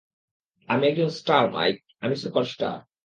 আমি একজন star mike, আমি সুপারস্টার।